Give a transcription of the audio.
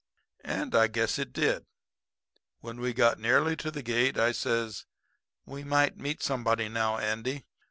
"And I guess it did. "When we got nearly to the gate, I says: 'We might meet somebody now, Andy.